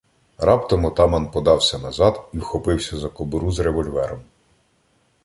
Раптом отаман подався назад і вхопився за кобуру з револьвером.